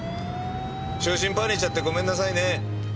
昇進パーにしちゃってごめんなさいね。